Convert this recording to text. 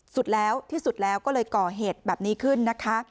สุดแล้วที่สุดแล้วก็เลยก่อเหตุแบบนี้ขึ้นนะคะ